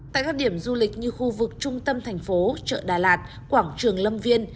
tại các điểm du lịch như khu vực trung tâm thành phố chợ đà lạt quảng trường lâm viên